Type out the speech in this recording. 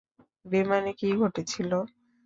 বিমানে কী ঘটেছিল?